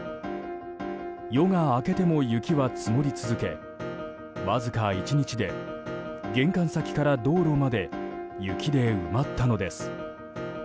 夜が明けても雪は積もり続けわずか１日で玄関先から道路まで雪で埋まったのです。